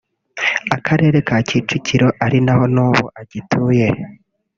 Akarere ka Kicukiro ari naho n’ubu agituye